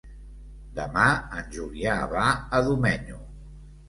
Demà en Julià va a Domenyo.